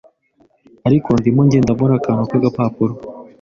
ariko ndimo ngenda mbona akantu k’agapapuro